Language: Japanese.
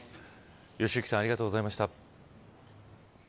良幸さんありがとうございました。